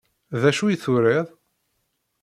D acu i turiḍ?